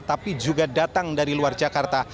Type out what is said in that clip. tapi juga datang dari luar jakarta